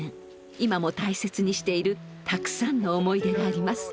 今も大切にしているたくさんの思い出があります。